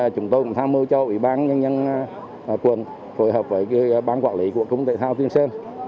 chúng tôi cũng tham mưu cho ủy ban nhân dân quân phối hợp với bán quản lý của cung thể thao tiên sơn